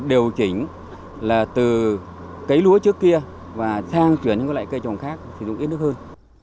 điều chỉnh là từ cấy lúa trước kia và sang chuyển những loại cây trồng khác sử dụng ít nước hơn